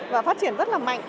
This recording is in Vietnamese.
và phát triển rất là mạnh